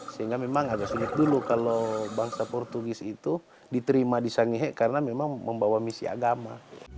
sehingga memang agak sulit dulu kalau bangsa portugis itu diterima di sangihe karena memang membawa misi agama